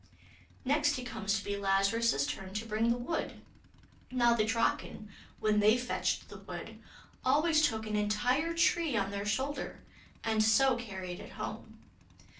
Next it comes to be Lazarus's turn to bring the wood. Now the Draken, when they fetched the wood, always took an entire tree on their shoulder, and so carried it home.